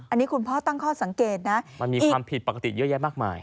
อันนี้คุณพ่อตั้งข้อสังเกตนะมันมีความผิดปกติเยอะแยะมากมาย